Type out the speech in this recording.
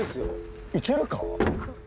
行けるか？